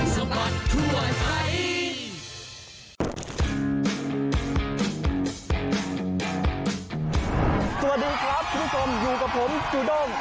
สวัสดีครับทุกคนอยู่กับผมจูด้ม